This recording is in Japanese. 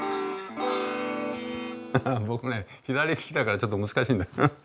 僕ね左利きだからちょっと難しいんだよ。